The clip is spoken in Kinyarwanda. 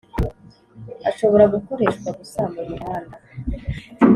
ashobora gukoreshwa gusa mu muhanda